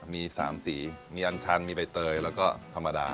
มี๓สีมีอันชันมีใบเตยแล้วก็ธรรมดา